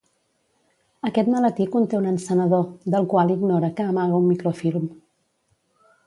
Aquest maletí conté un encenedor, del qual ignora que amaga un microfilm.